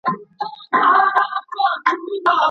ژمني کالي نازک نه وي.